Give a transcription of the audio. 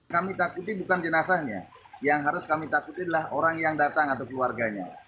kami takuti bukan jenazahnya yang harus kami takuti adalah orang yang datang atau keluarganya